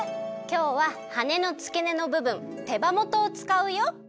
きょうははねのつけねのぶぶん手羽元をつかうよ。